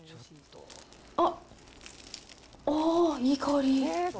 あっ、あー、いい香り。